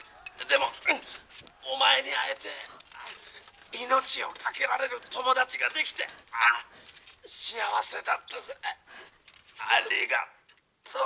でもお前に会えて命を懸けられる友達ができて幸せだったぜ。ありがと」。